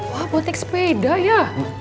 wah buat naik sepeda ya